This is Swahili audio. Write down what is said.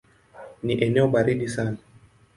Ni eneo baridi sana.